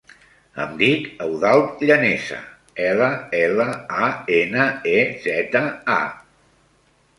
Em dic Eudald Llaneza: ela, ela, a, ena, e, zeta, a.